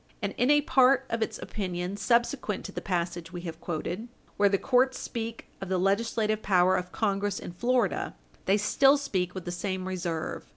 And in a part of its opinion subsequent to the passage we have quoted, where the court speak of the legislative power of Congress in Florida, they still speak with the same reserve.